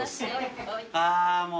あもう。